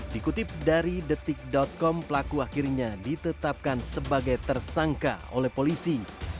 dikutip dari detik com pelaku akhirnya ditetapkan sebagai tersangka oleh polisi